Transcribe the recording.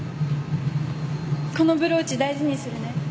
このブローチ大事にするね。